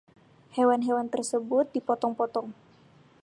Hewan-hewan tersebut dipotong-potong.